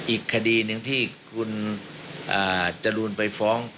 อีกคดีหนึ่งที่คุณจรูนไปฟ้อง